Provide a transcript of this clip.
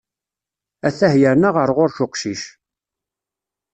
Atah yerna ɣer ɣur-k uqcic.